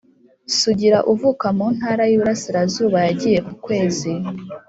sugira uvuka mu ntara yiburasirazuba yagiye kukwezi